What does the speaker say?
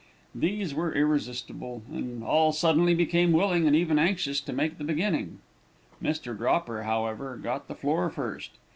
These were irresistible, and all suddenly became willing and even anxious to make the beginning. Mr. Dropper, however, got the floor first.